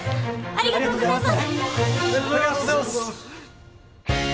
ありがとうございます！